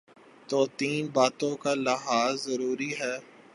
تو تین باتوں کا لحاظ ضروری ہے۔